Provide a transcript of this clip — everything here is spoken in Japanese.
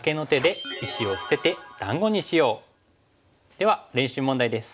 では練習問題です。